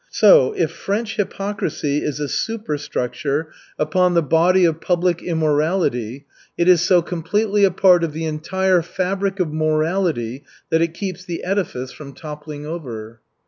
So, if French hypocrisy is a superstructure upon the body of public immorality, it is so completely a part of the entire fabric of morality that it keeps the edifice from toppling over.